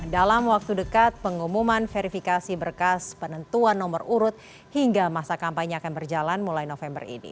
dalam waktu dekat pengumuman verifikasi berkas penentuan nomor urut hingga masa kampanye akan berjalan mulai november ini